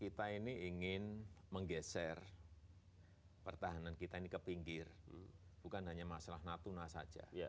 kita ini ingin menggeser pertahanan kita ini ke pinggir bukan hanya masalah natuna saja